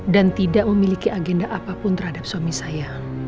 dan tidak memiliki agenda apapun terhadap suami saya